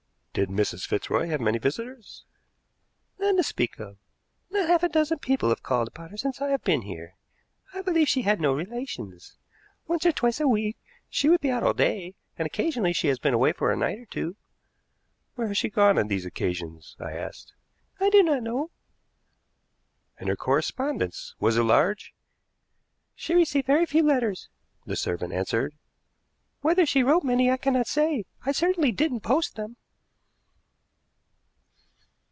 "Did Mrs. Fitzroy have many visitors?" "None to speak of. Not half a dozen people have called upon her since I have been here. I believe she had no relations. Once or twice a week she would be out all day, and occasionally she has been away for a night or two." "Where has she gone on these occasions?" I asked. "I do not know." "And her correspondence was it large?" "She received very few letters," the servant answered; "whether she wrote many, I cannot say. I certainly didn't post them."